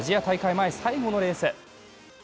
前、最後のレース。